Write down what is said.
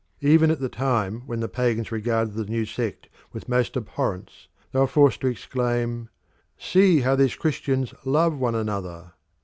Even at the time when the pagans regarded the new sect with most abhorrence they were forced to exclaim, "See how these Christians love one another!"